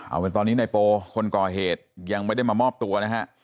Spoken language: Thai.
เอาเป็นตอนนี้ในโปคนก่อเหตุยังไม่ได้มามอบตัวนะฮะ